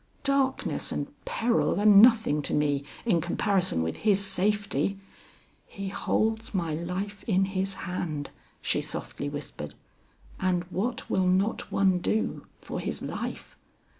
"Darkness and peril are nothing to me in comparison with his safety. He holds my life in his hand," she softly whispered, "and what will not one do for his life!"